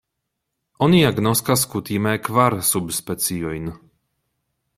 Oni agnoskas kutime kvar subspeciojn.